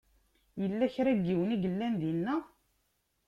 Yella kra n yiwen i yellan dinna?